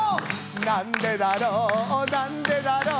「なんでだろうなんでだろう」